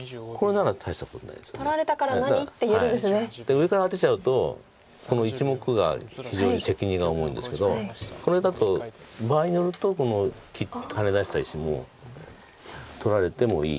上からアテちゃうとこの１目が非常に責任が重いんですけどこれだと場合によるとハネ出した石も取られてもいい。